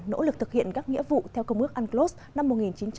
nỗ lực thực hiện các nghĩa vụ theo công ước unclos năm một nghìn chín trăm tám mươi hai